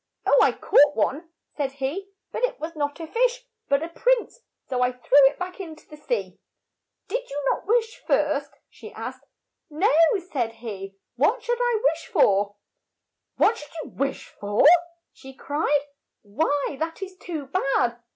THE FISHERMAN AND HIS WIFE 77 "Oh, I caught one," said he, "but it said it was not a fish but a prince, so I threw it back in to the sea." '' Did you not wish first ?'' she asked. "No," said he, "what should I wish for?" "What should you wish for?" she cried. "Why, that is too bad!